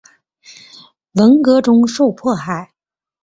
文革中受迫害。